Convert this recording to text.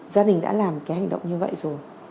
gia đình đã làm cái hành động như vậy rồi